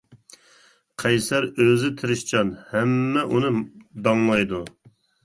قەيسەر ئۆزى تىرىشچان، ھەممە ئۇنى داڭلايدۇ.